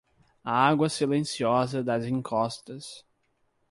A água silenciosa das encostas.